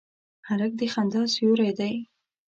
هلک د خندا سیوری دی.